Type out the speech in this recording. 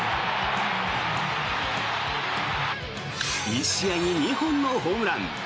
１試合に２本のホームラン。